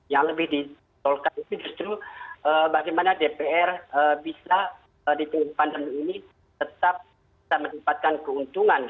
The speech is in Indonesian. yang lebih di tolkan itu justru bagaimana dpr bisa di penghubung pandemi ini tetap bisa menempatkan keuntungan